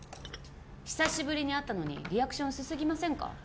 久しぶりに会ったのにリアクション薄すぎませんか？